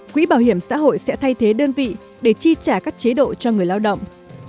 quỹ bảo hiểm xã hội sẽ thay thế đơn vị để chi trả các chế độ cho người lao động